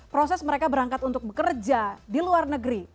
proses mereka berangkat untuk bekerja di luar negeri